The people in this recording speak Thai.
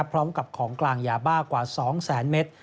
พร้อมกับของกลางยาบ้ากว่า๒แสนเมตร